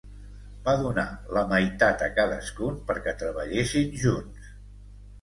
Va donar la meitat a cadascun perquè treballessin junts.